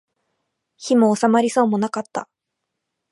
火も納まりそうもなかった